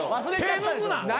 手抜くな。